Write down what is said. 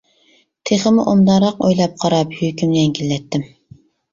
تېخىمۇ ئوبدانراق ئويلاپ قاراپ يۈكۈمنى يەڭگىللەتتىم.